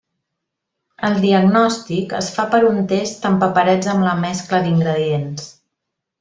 El diagnòstic es fa per un test amb paperets amb la mescla d'ingredients.